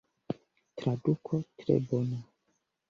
Traduko tre bona.